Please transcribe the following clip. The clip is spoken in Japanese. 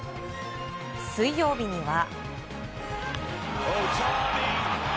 水曜日には。